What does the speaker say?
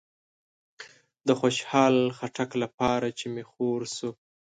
د خوشحال خټک لپاره چې می خور شو